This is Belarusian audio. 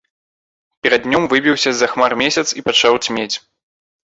Перад днём выбіўся з-за хмар месяц і пачаў цьмець.